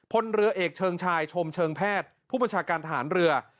พลเรือเอกเชิงชายชมเชิงแพทย์ผู้บัญชาการทหารเรือ